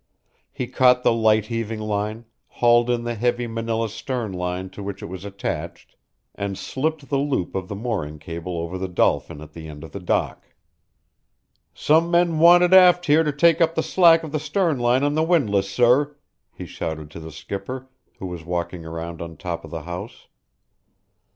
He caught the light heaving line, hauled in the heavy Manila stern line to which it was attached, and slipped the loop of the mooring cable over the dolphin at the end of the dock. "Some men wanted aft here to take up the slack of the stern line on the windlass, sir," he shouted to the skipper, who was walking around on top of the house.